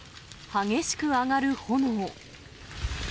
激しく上がる炎。